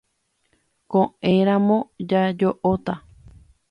Ko'ẽramo jajo'óta.